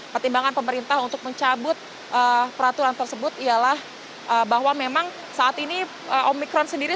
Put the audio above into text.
pertimbangan pemerintah untuk mencabut peraturan tersebut ialah bahwa memang saat ini omikron sendiri